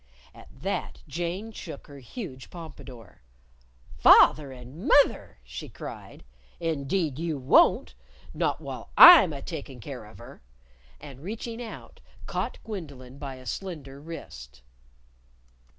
At that Jane shook her huge pompadour. "Father and mother!" she cried. "Indeed, you won't! Not while I'm a takin' care of her." And reaching out, caught Gwendolyn by a slender wrist.